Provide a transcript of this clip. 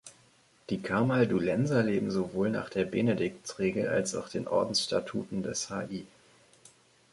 Die Kamaldulenser leben sowohl nach der Benediktsregel als auch den Ordensstatuten des hl.